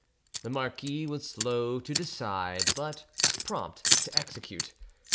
The marquis was slow to decide but prompt to execute.